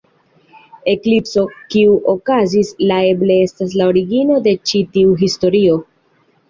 Eklipso kiu okazis la eble estas la origino de ĉi tiu historio.